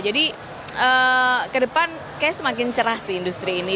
jadi ke depan kayaknya semakin cerah sih industri ini